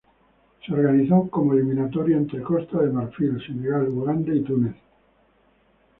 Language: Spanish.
Se organizó como eliminatoria entre Costa de Marfil, Senegal, Uganda y Túnez.